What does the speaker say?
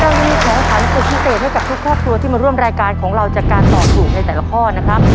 ยังมีของขวัญสุดพิเศษให้กับทุกครอบครัวที่มาร่วมรายการของเราจากการตอบถูกในแต่ละข้อนะครับ